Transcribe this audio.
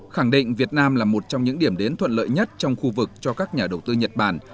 khẳng định việt nam là một trong những điểm đến thuận lợi nhất trong khu vực cho các nhà đầu tư nhật bản